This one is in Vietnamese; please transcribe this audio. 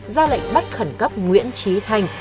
gia lệnh bắt khẩn cấp nguyễn trí thanh